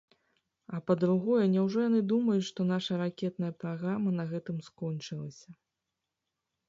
А па-другое, няўжо яны думаюць, што наша ракетная праграма на гэтым скончылася?